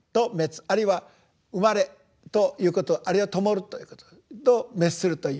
あるいは生まれということあるいはともるということと滅するという。